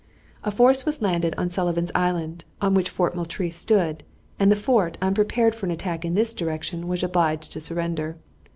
A force was landed on Sullivan's Island, on which Fort Moultrie stood, and the fort, unprepared for an attack in this direction, was obliged to surrender.